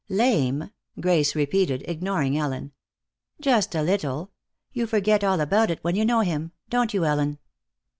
"Lame?" Grace repeated, ignoring Ellen. "Just a little. You forget all about it when you know him. Don't you, Ellen?"